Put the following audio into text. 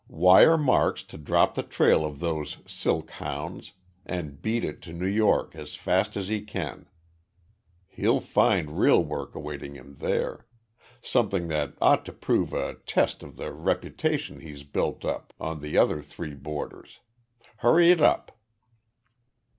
Wire Marks to drop the trail of those silk hounds and beat it to New York as fast as he can. He'll find real work awaiting him there something that ought to prove a test of the reputation he's built up on the other three borders. Hurry it up!"